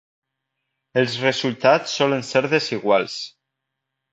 Els resultats solen ser desiguals.